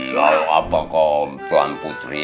lalu apakah tuan putri